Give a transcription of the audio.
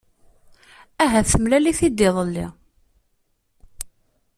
Ahat temlal-it-id iḍelli.